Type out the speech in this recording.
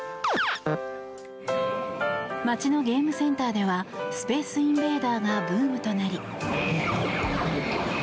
街のゲームセンターでは「スペースインベーダー」がブームとなり。